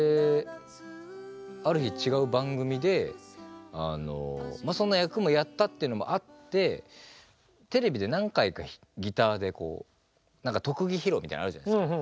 ある日違う番組でそんな役もやったっていうのもあってテレビで何回かギターでこう特技披露みたいなのあるじゃないですか。